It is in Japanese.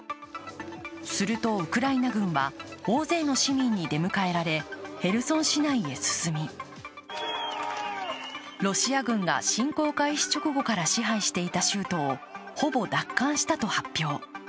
すると、ウクライナ軍は大勢の市民に出迎えられヘルソン市内へ進みロシア軍が侵攻開始直後から支配していた州都をほぼ奪還したと発表。